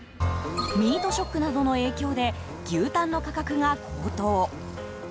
ミートショックなどの影響で牛タンの価格が高騰。